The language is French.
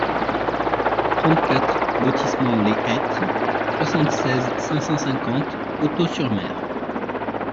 trente-quatre lotissement Les Hetres, soixante-seize, cinq cent cinquante, Hautot-sur-Mer